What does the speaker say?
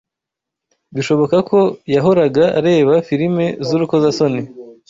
bishobokako yahoraga areba filime z’urukozasoni